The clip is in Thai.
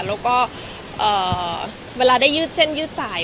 แล้วก็เวลาได้ยืดเส้นยืดสาย